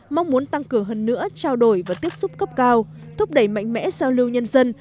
mong muốn tăng cường hơn nữa trao đổi và tiếp xúc cấp cao thúc đẩy mạnh mẽ giao lưu nhân dân